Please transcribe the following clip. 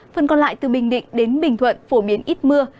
phần còn lại từ bình định đến bình thuận phổ biến ít mưa